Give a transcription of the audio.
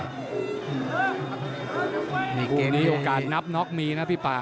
พรุ่งนี้โอกาสนับน็อกมีนะพี่ป่ะ